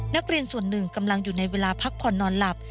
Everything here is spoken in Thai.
นักเรียนส่วนหนึ่งกำลังอยู่ในเวลาพักผ่อนนอนหลับ